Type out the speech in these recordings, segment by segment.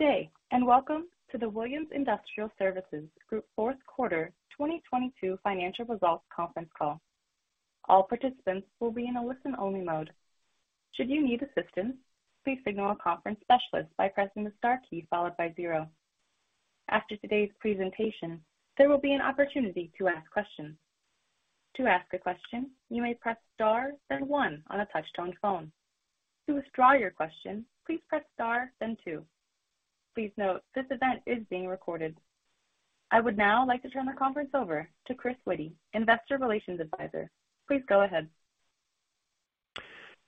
Good day, and welcome to the Williams Industrial Services Group Q4 2022 Financial Results Conference Call. All participants will be in a listen-only mode. Should you need assistance, please signal a conference specialist by pressing the star key followed by zero. After today's presentation, there will be an opportunity to ask questions. To ask a question, you may press Star then one on a touch-tone phone. To withdraw your question, please press Star then two. Please note, this event is being recorded. I would now like to turn the conference over to Chris Witty, Investor Relations Advisor. Please go ahead.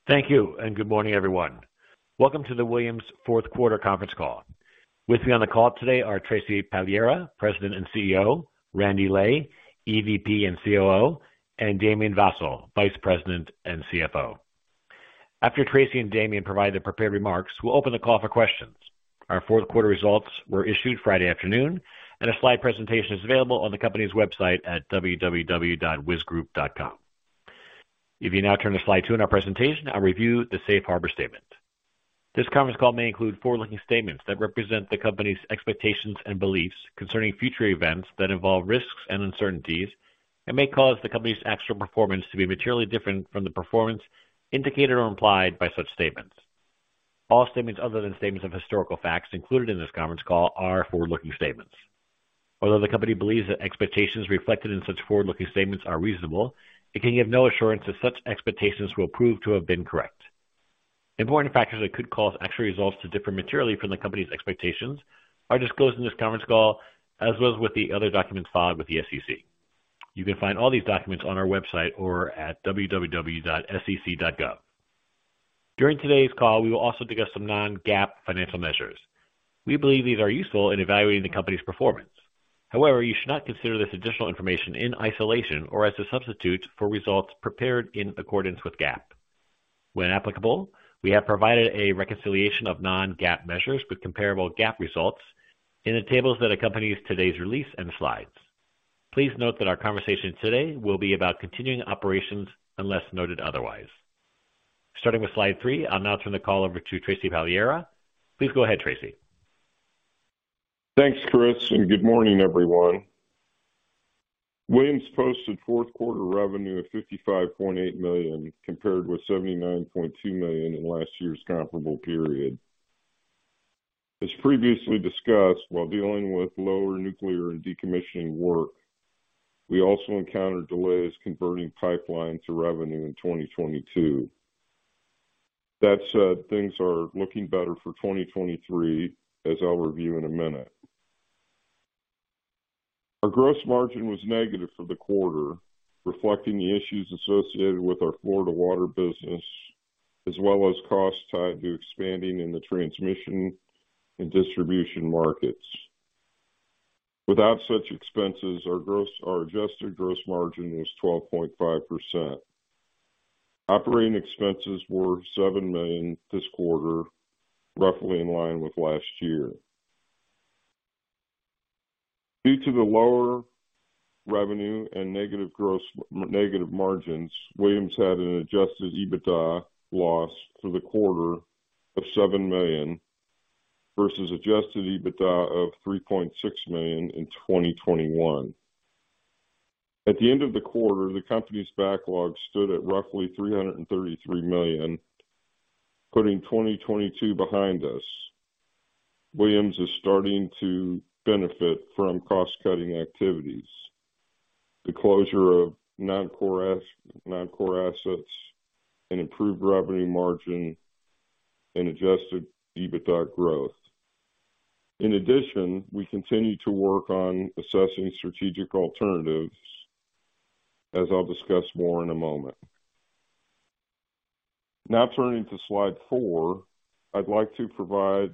Thank you, good morning, everyone. Welcome to the Williams Q4 conference call. With me on the call today are Tracy Pagliara, President and CEO, Randy Lay, EVP and COO, and Damien Vassall, Vice President and CFO. After Tracy and Damien provide their prepared remarks, we'll open the call for questions. Our Q4 results were issued Friday afternoon, and a slide presentation is available on the company's website at www.wisgrp.com. If you now turn to slide two in our presentation, I'll review the Safe Harbor statement. This conference call may include forward-looking statements that represent the Company's expectations and beliefs concerning future events that involve risks and uncertainties and may cause the Company's actual performance to be materially different from the performance indicated or implied by such statements. All statements other than statements of historical facts included in this conference call are forward-looking statements. Although the Company believes that expectations reflected in such forward-looking statements are reasonable, it can give no assurance that such expectations will prove to have been correct. Important factors that could cause actual results to differ materially from the Company's expectations are disclosed in this conference call, as well as with the other documents filed with the SEC. You can find all these documents on our website or at www.sec.gov. During today's call, we will also discuss some non-GAAP financial measures. We believe these are useful in evaluating the Company's performance. However, you should not consider this additional information in isolation or as a substitute for results prepared in accordance with GAAP. When applicable, we have provided a reconciliation of non-GAAP measures with comparable GAAP results in the tables that accompanies today's release and slides. Please note that our conversation today will be about continuing operations unless noted otherwise. Starting with slide three, I'll now turn the call over to Tracy Pagliara. Please go ahead, Tracy. Thanks, Chris, good morning, everyone. Williams posted Q4 revenue of $55.8 million, compared with $79.2 million in last year's comparable period. As previously discussed, while dealing with lower nuclear and decommissioning work, we also encountered delays converting pipeline to revenue in 2022. That said, things are looking better for 2023, as I'll review in a minute. Our gross margin was negative for the quarter, reflecting the issues associated with our Florida water business, as well as costs tied to expanding in the transmission and distribution markets. Without such expenses, our adjusted gross margin was 12.5%. Operating expenses were $7 million this quarter, roughly in line with last year. Due to the lower revenue and negative margins, Williams had an adjusted EBITDA loss for the quarter of $7 million versus adjusted EBITDA of $3.6 million in 2021. At the end of the quarter, the company's backlog stood at roughly $333 million, putting 2022 behind us. Williams is starting to benefit from cost-cutting activities, the closure of non-core assets, an improved revenue margin, and adjusted EBITDA growth. In addition, we continue to work on assessing strategic alternatives, as I'll discuss more in a moment. Now turning to slide four, I'd like to provide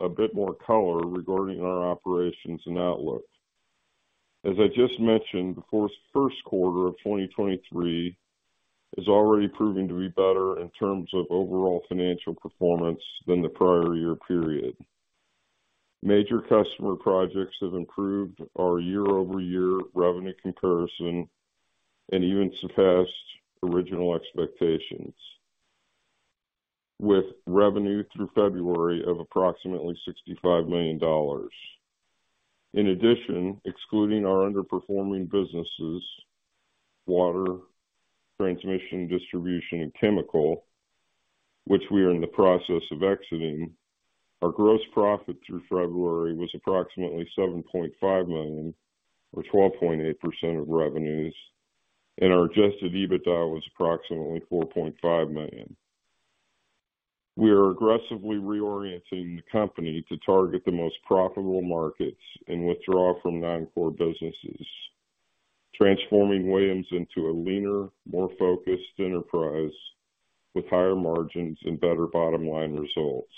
a bit more color regarding our operations and outlook. As I just mentioned, the Q1 of 2023 is already proving to be better in terms of overall financial performance than the prior year period. Major customer projects have improved our year-over-year revenue comparison and even surpassed original expectations, with revenue through February of approximately $65 million. In addition, excluding our underperforming businesses, water, transmission, distribution, and chemical, which we are in the process of exiting, our gross profit through February was approximately $7.5 million or 12.8% of revenues, and our adjusted EBITDA was approximately $4.5 million. We are aggressively reorienting the company to target the most profitable markets and withdraw from non-core businesses, transforming Williams into a leaner, more focused enterprise with higher margins and better bottom-line results.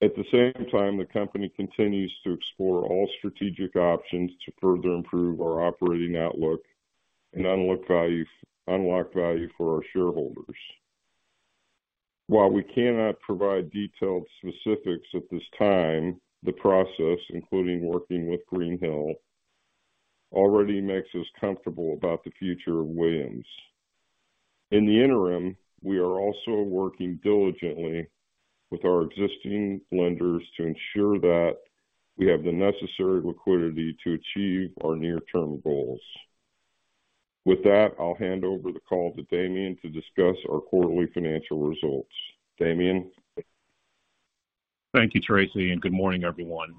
At the same time, the company continues to explore all strategic options to further improve our operating outlook and unlock value for our shareholders. While we cannot provide detailed specifics at this time, the process, including working with Greenhill Already makes us comfortable about the future of Williams. In the interim, we are also working diligently with our existing lenders to ensure that we have the necessary liquidity to achieve our near-term goals. With that, I'll hand over the call to Damien to discuss our quarterly financial results. Damien? Thank you, Tracy, and good morning, everyone.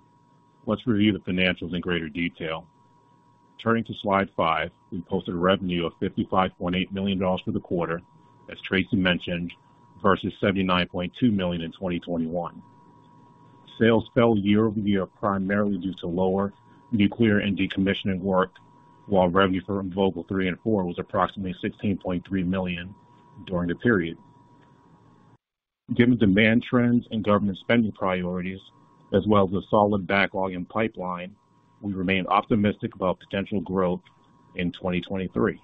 Let's review the financials in greater detail. Turning to Slide five, we posted a revenue of $55.8 million for the quarter, as Tracy mentioned, versus $79.2 million in 2021. Sales fell year-over-year, primarily due to lower nuclear and decommissioning work, while revenue from Vogtle Units 3 and 4 was approximately $16.3 million during the period. Given demand trends and government spending priorities, as well as a solid backlog in pipeline, we remain optimistic about potential growth in 2023.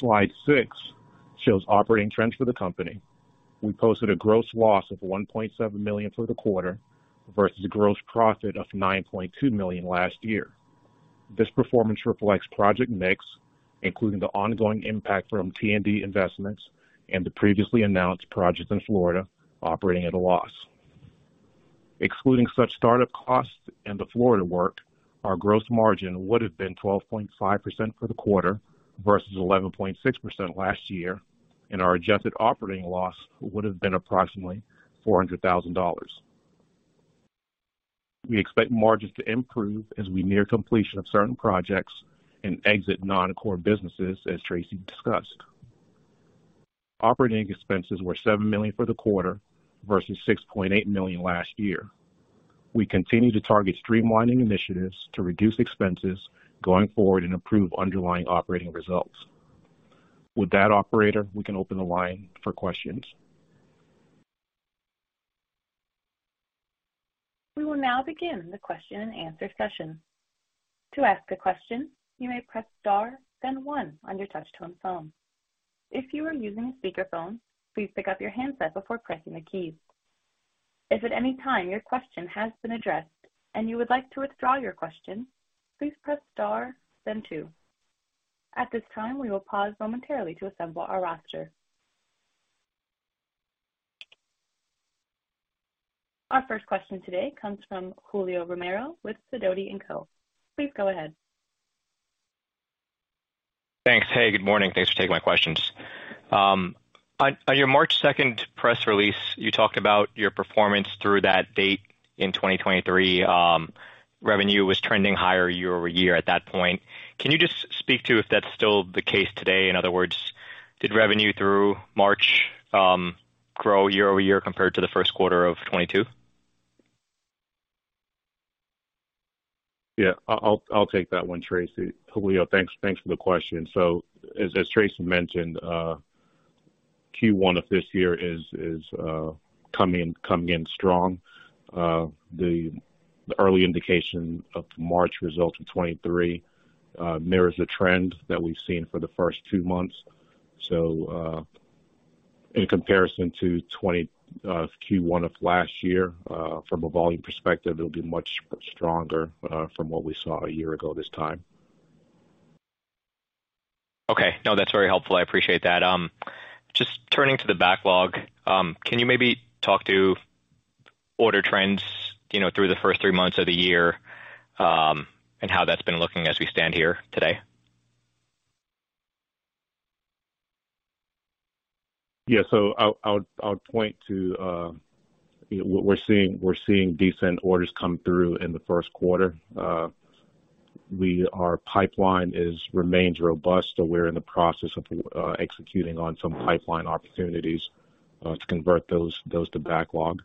Slide six shows operating trends for the company. We posted a gross loss of $1.7 million for the quarter versus a gross profit of $9.2 million last year. This performance reflects project mix, including the ongoing impact from T&D investments and the previously announced project in Florida operating at a loss. Excluding such startup costs and the Florida work, our gross margin would have been 12.5% for the quarter versus 11.6% last year, and our adjusted operating loss would have been approximately $400,000. We expect margins to improve as we near completion of certain projects and exit non-core businesses, as Tracy discussed. Operating expenses were $7 million for the quarter versus $6.8 million last year. We continue to target streamlining initiatives to reduce expenses going forward and improve underlying operating results. With that, operator, we can open the line for questions. We will now begin the question and answer session. To ask a question, you may press star then one on your touch tone phone. If you are using a speakerphone, please pick up your handset before pressing the keys. If at any time your question has been addressed and you would like to withdraw your question, please press star then two. At this time, we will pause momentarily to assemble our roster. Our first question today comes from Julio Romero with Sidoti & Co. Please go ahead. Thanks. Hey, good morning. Thanks for taking my questions. On your March 2 press release, you talked about your performance through that date in 2023. Revenue was trending higher year-over-year at that point. Can you just speak to if that's still the case today? In other words, did revenue through March grow year-over-year compared to the Q1 of 2022? Yeah. I'll take that one, Tracy. Julio, thanks for the question. As Tracy mentioned, Q1 of this year is coming in strong. The early indication of the March results of 2023 mirrors the trend that we've seen for the first two months. In comparison to Q1 of last year, from a volume perspective, it'll be much stronger from what we saw a year ago this time. Okay. No, that's very helpful. I appreciate that. Just turning to the backlog, can you maybe talk to order trends, you know, through the first three months of the year, and how that's been looking as we stand here today? Yeah. I'll point to, you know what we're seeing. We're seeing decent orders come through in the Q1. Our pipeline remains robust. We're in the process of executing on some pipeline opportunities to convert those to backlog.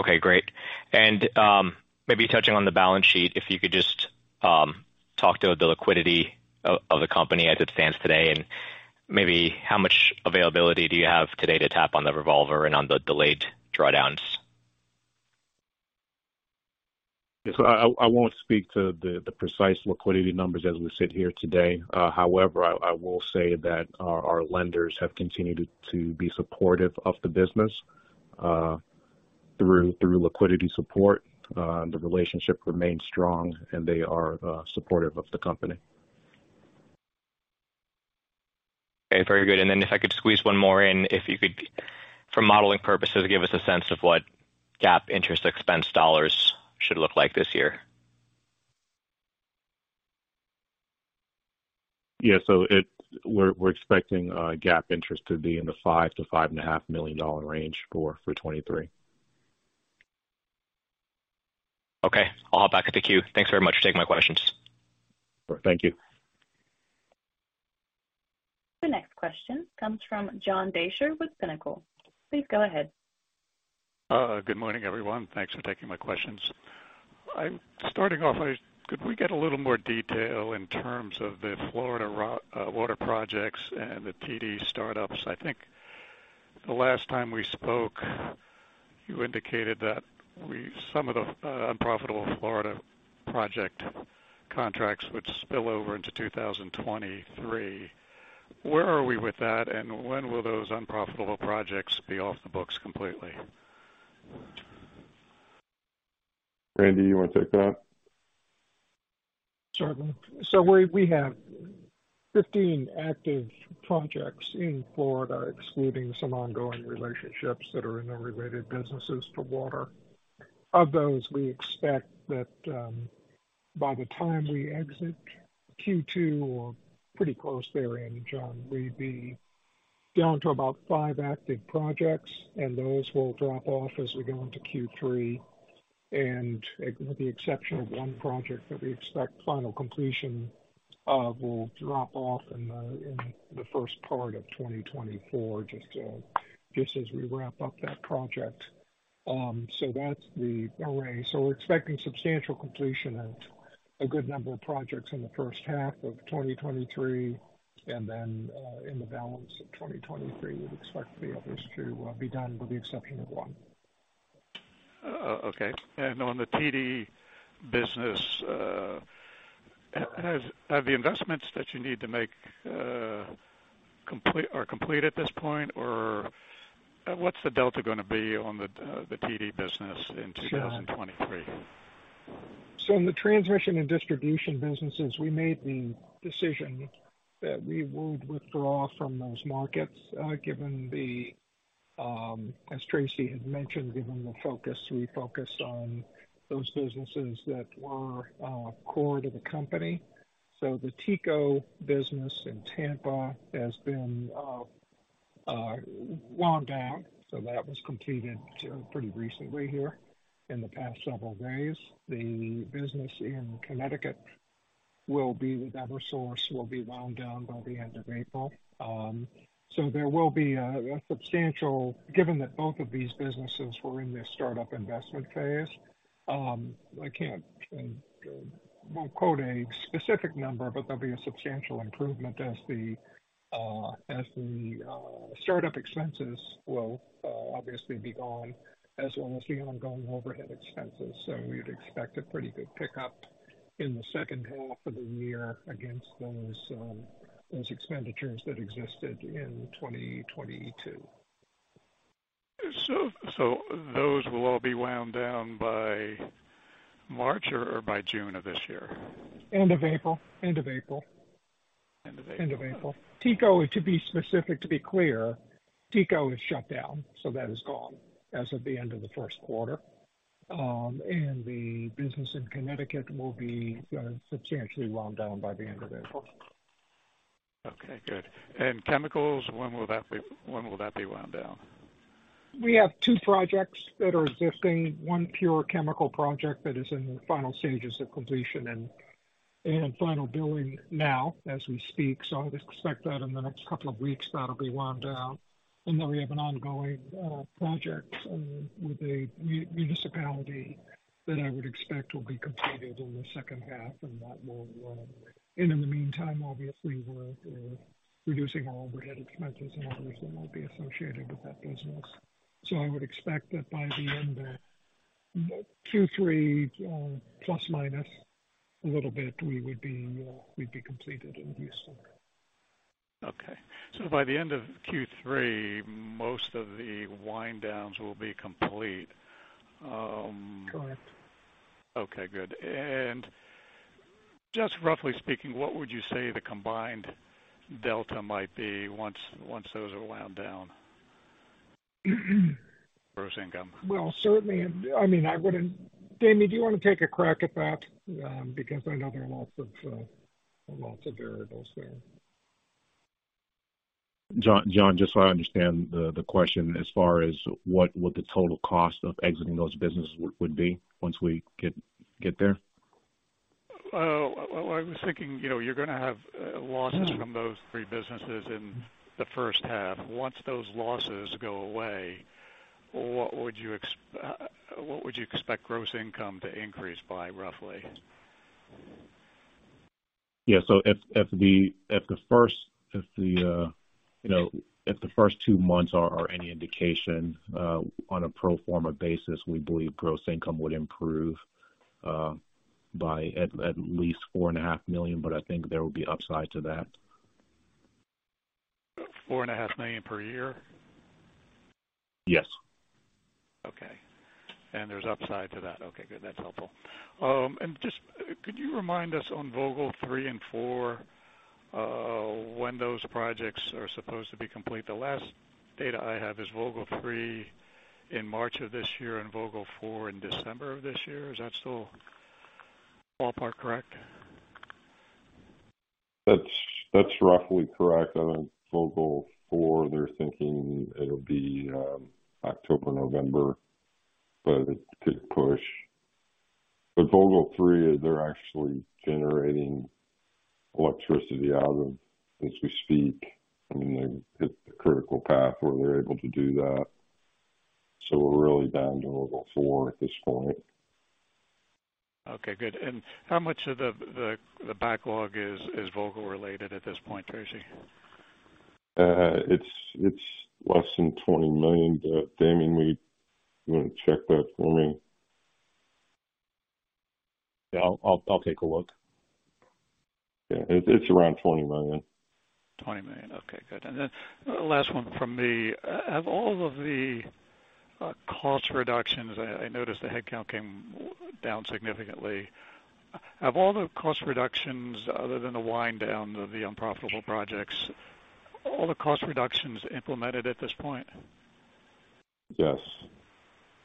Okay, great. Maybe touching on the balance sheet, if you could just, talk to the liquidity of the company as it stands today, and maybe how much availability do you have today to tap on the revolver and on the delayed drawdowns? Yeah. I won't speak to the precise liquidity numbers as we sit here today. However, I will say that our lenders have continued to be supportive of the business, through liquidity support. The relationship remains strong and they are supportive of the company. Okay. Very good. If I could squeeze one more in. If you could, for modeling purposes, give us a sense of what GAAP interest expense dollars should look like this year. Yeah. We're expecting GAAP interest to be in the $5 million-$5.5 million range for 2023. Okay. I'll hop back at the queue. Thanks very much for taking my questions. Thank you. The next question comes from John Deysher with Pinnacle. Please go ahead. Good morning, everyone. Thanks for taking my questions. I'm starting off, could we get a little more detail in terms of the Florida water projects and the T&D startups? I think the last time we spoke you indicated that some of the unprofitable Florida project contracts would spill over into 2023. Where are we with that, and when will those unprofitable projects be off the books completely? Randy, you wanna take that? Certainly. We have 15 active projects in Florida, excluding some ongoing relationships that are in the related businesses to water. Of those, we expect that by the time we exit Q2 or pretty close therein, John, we'd be down to about five active projects, and those will drop off as we go into Q3. With the exception of one project that we expect final completion of will drop off in the first part of 2024, just as we wrap up that project. That's the array. We're expecting substantial completion at a good number of projects in the first half of 2023, and then in the balance of 2023, we'd expect the others to be done with the exception of one. Okay. on the T&D business, have the investments that you need to make, are complete at this point, or what's the delta gonna be on the T&D business in 2023? In the transmission and distribution businesses, we made the decision that we would withdraw from those markets, given the, as Tracy had mentioned, given the focus, we focused on those businesses that were core to the company. The TECO business in Tampa has been wound down. That was completed pretty recently here in the past several days. The business in Connecticut will be with Eversource, will be wound down by the end of April. There will be a substantial improvement. Given that both of these businesses were in their start-up investment phase, I can't, won't quote a specific number, but there'll be a substantial improvement as the start-up expenses will obviously be gone, as well as the ongoing overhead expenses. We'd expect a pretty good pickup in the second half of the year against those expenditures that existed in 2022. Those will all be wound down by March or by June of this year? End of April. End of April. End of April. TECO, to be specific, to be clear, TECO is shut down. That is gone as of the end of the Q1. The business in Connecticut will be substantially wound down by the end of April. Okay, good. Chemicals, when will that be wound down? We have two projects that are existing. One pure chemical project that is in the final stages of completion and in final billing now as we speak. I'd expect that in the next couple of weeks, that'll be wound down. Then we have an ongoing project with a municipality that I would expect will be completed in the second half, and that will wind. In the meantime, obviously, we're reducing our overhead expenses and others that won't be associated with that business. I would expect that by the end of Q3, plus minus a little bit, we would be we'd be completed with these two. Okay. By the end of Q3, most of the wind downs will be complete. Correct. Okay, good. Just roughly speaking, what would you say the combined delta might be once those are wound down? Gross income. Well, certainly, I mean, I wouldn't. Damien, do you wanna take a crack at that? Because I know there are lots of lots of variables there. John, just so I understand the question as far as what would the total cost of exiting those businesses would be once we get there? I was thinking, you know, you're gonna have losses from those three businesses in the first half. Once those losses go away, what would you expect gross income to increase by roughly? Yeah. If the first, you know, if the first two months are any indication, on a pro forma basis, we believe gross income would improve by at least four and a half million, I think there will be upside to that. $4 and a half million per year? Yes. Okay. There's upside to that. Okay, good. That's helpful. Just, could you remind us on Vogtle Units 3 and 4, when those projects are supposed to be complete? The last data I have is Vogtle Unit 3 in March of this year and Vogtle Unit 4 in December of this year. Is that still ballpark correct? That's roughly correct. I think Vogtle 4, they're thinking it'll be October, November, but it could push. Vogtle 3, they're actually generating electricity out of as we speak. I mean, they've hit the critical path where they're able to do that. We're really down to Vogtle 4 at this point. Okay, good. How much of the backlog is Vogtle related at this point, Tracy? It's less than $20 million, but Damien, will you check that for me? Yeah. I'll take a look. Yeah. It's around $20 million. $20 million. Okay, good. Last one from me. I noticed the headcount came down significantly. Have all the cost reductions other than the wind down of the unprofitable projects, implemented at this point? Yes.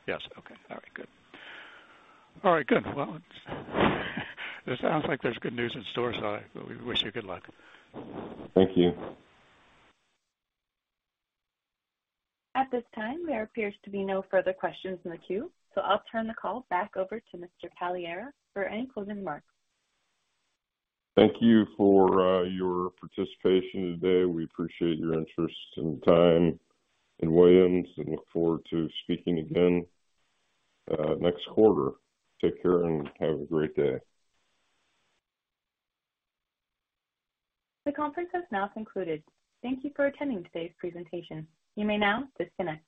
Yes. Okay. All right, good. All right, good. It sounds like there's good news in store, so we wish you good luck. Thank you. At this time, there appears to be no further questions in the queue, so I'll turn the call back over to Mr. Pagliara for any closing remarks. Thank you for your participation today. We appreciate your interest and time in Williams and look forward to speaking again next quarter. Take care and have a great day. The conference has now concluded. Thank you for attending today's presentation. You may now disconnect.